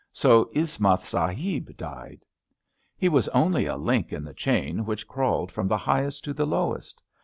So Eshmith Sahib died. He was only a link in the chain which crawled from the highest to the lowest.